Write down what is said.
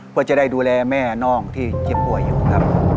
เพื่อจะได้ดูแลแม่น้องที่เจ็บป่วยอยู่ครับ